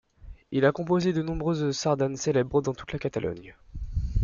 Il a composé de nombreuses sardanes célèbres dans toute la Catalogne.